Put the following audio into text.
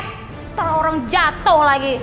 ntar orang jatuh lagi